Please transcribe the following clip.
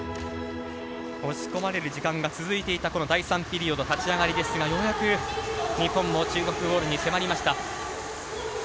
押し込まれる時間が続いていた第３ピリオド立ち上がりですが、ようやく日本も中国ゴールに迫りました。